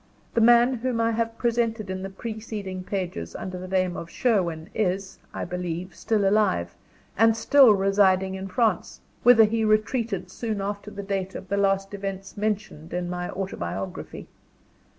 The man whom I have presented in the preceding pages under the name of Sherwin is, I believe, still alive, and still residing in France whither he retreated soon after the date of the last events mentioned in my autobiography.